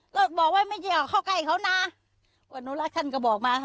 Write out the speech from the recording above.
เราก็บอกว่าไม่ใช่อ่ะเข้าใกล้เขาน่ะวันนู้นล่ะท่านก็บอกมา